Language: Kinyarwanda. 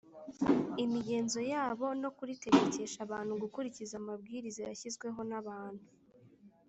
imigenzo yabo no kuritegekesha abantu gukurikiza amabwiriza yashyizweho n’abantu